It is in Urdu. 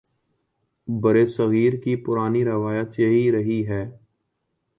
برصغیر کی پرانی روایت یہی رہی ہے۔